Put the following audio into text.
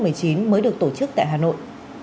mới được tổ chức tại hà nội